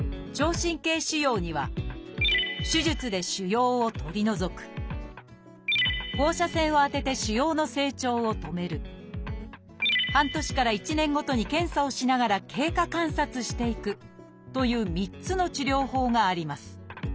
神経腫瘍には「手術で腫瘍を取り除く」「放射線を当てて腫瘍の成長を止める」「半年から１年ごとに検査をしながら経過観察していく」という３つの治療法があります。